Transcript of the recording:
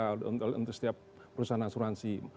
untuk setiap perusahaan asuransi